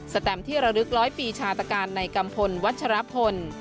แสตมที่ระลึก๑๐๐ปีชาตาการในกำพลวัชฌาพล